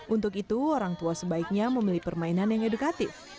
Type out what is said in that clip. untuk itu orang tua sebaiknya memilih permainan yang edukatif